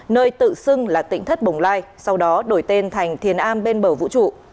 nơi tự xưng là tỉnh thất bồng lai sau đó đổi tên thành thiền an bên bờ vũ trụ